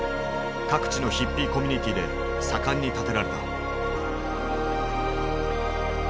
各地のヒッピーコミュニティーで盛んに建てられた。